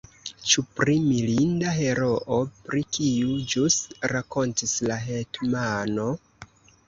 Ĉu pri mirinda heroo, pri kiu ĵus rakontis la hetmano?